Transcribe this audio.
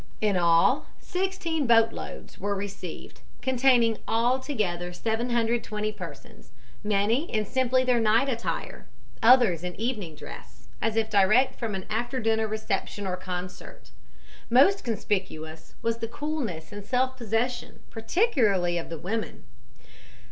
In all, sixteen boatloads were receives, containing altogether 720 persons, many in simply their night attire, others in evening dress, as if direct from an after dinner reception, or concert. Most conspicuous was the coolness and self possession, particularly of the women.